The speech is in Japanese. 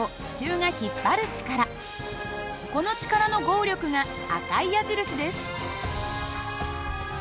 この力の合力が赤い矢印です。